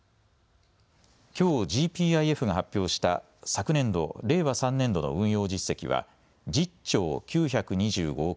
きょうをＧＰＩＦが発表した昨年度、令和３年度の運用実績は１０兆９２５億